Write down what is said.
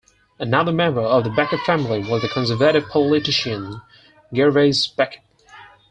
Another member of the Beckett family was the Conservative politician Gervase Beckett.